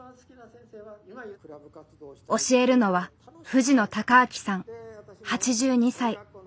教えるのは藤野高明さん８２歳。